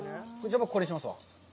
これにしますわ。